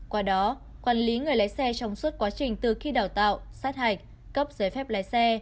qua đó quản lý người lái xe trong suốt quá trình từ khi đào tạo sát hạch cấp giấy phép lái xe